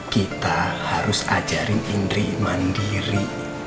kita harus ajarin indri mandiri